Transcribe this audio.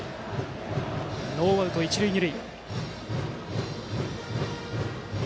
ノーアウト、一塁二塁。